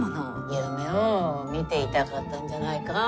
夢をみていたかったんじゃないか。